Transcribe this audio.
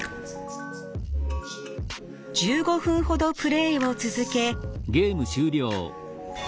１５分ほどプレーを続け。